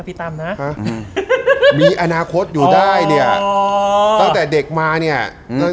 พี่ตำนะมีอนาคตอยู่ได้เนี้ยตั้งแต่เด็กมาเนี้ยเรื่อง